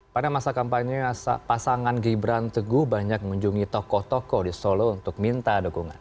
pada masa kampanye pasangan gibran teguh banyak mengunjungi tokoh tokoh di solo untuk minta dukungan